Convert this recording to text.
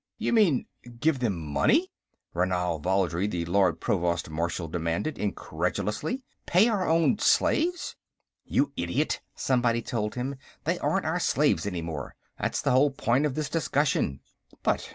"You mean, give them money?" Ranal Valdry, the Lord Provost Marshal demanded, incredulously. "Pay our own slaves?" "You idiot," somebody told him, "they aren't our slaves any more. That's the whole point of this discussion." "But